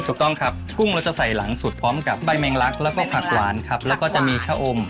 ถูกต้องครับกุ้งเราจะใส่หลังสุดพร้อมกับใบแมงลักแล้วก็ผักหวานครับแล้วก็จะมีชะอม